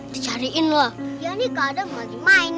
dicariin loh mainin udah balikin